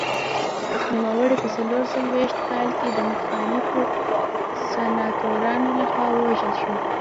نوموړی په څلور څلوېښت کال کې د مخالفو سناتورانو لخوا ووژل شو.